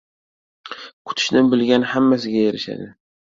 • Kutishni bilgan hammasiga erishadi.